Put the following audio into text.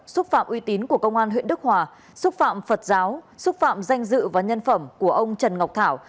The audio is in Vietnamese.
xúc phạm uy tín của công an huyện đức hòa xúc phạm phật giáo xúc phạm danh dự và nhân phẩm của ông trần ngọc thảo